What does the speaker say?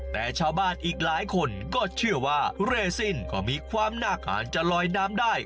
แต่ชาวบ้านอีกหลายคนก็เชื่อว่าเรซินก็มีความน่าคาญจะลอยน้ำได้